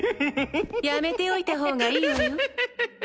やめておいた方がいいわよ